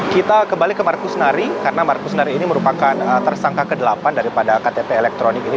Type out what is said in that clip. kita kembali ke markus nari karena markus nari ini merupakan tersangka ke delapan daripada ktp elektronik ini